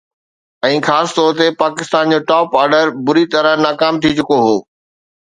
۽ خاص طور تي پاڪستان جو ٽاپ آرڊر بُري طرح ناڪام ٿي چڪو هو